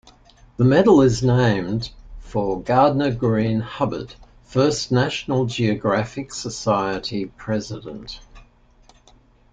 The medal is named for Gardiner Greene Hubbard, first National Geographic Society president.